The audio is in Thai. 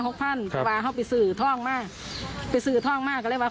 พันแต่ว่าเขาไปสื่อท่องมากไปสื่อท่องมากก็เลยว่า